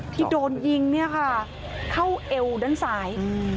ที่โดนยิงเข้าเอวด้านซ้าย